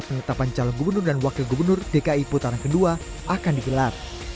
penetapan calon gubernur dan wakil gubernur dki putaran kedua akan digelar